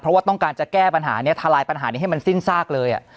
เพราะว่าต้องการจะแก้ปัญหานี้ทลายปัญหานี้ให้มันสิ้นซากเลย